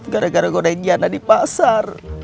gara gara gue ada higiana di pasar